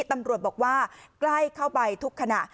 ตำรวจบอกว่าใกล้เข้าไปทุกขณะ